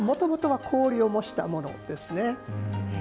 もともとは氷を模したものです。